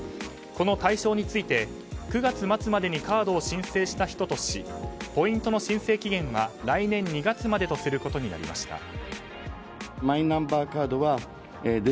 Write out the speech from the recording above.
この対象について９月末までにカードを申請した人としポイントの申請期限は来年２月までとすることになりました。